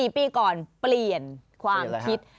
๔ปีก่อนเปลี่ยนความคิด